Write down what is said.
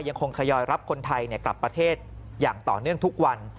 ยังคงทยอยรับคนไทยกลับประเทศอย่างต่อเนื่องทุกวัน